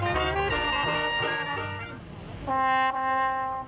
เพลงที่๑๐ทรงโปรด